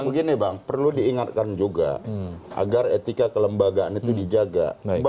begini bang perlu diingatkan juga agar etika kelembagaan itu dijaga